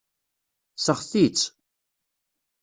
Seɣti-tt.